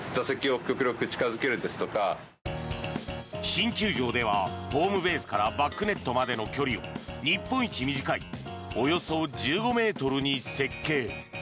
新球場ではホームベースからバックネットまでの距離を日本一短いおよそ１５ｍに設計。